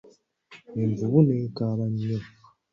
Envubu nekaaba nnyo.